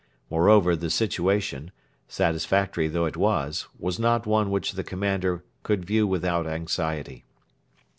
Moreover, the situation, satisfactory though it was, was not one which the commander could view without anxiety.